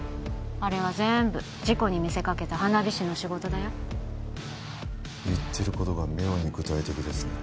あれは全部事故に見せかけた花火師の仕事だよ言ってることが妙に具体的ですね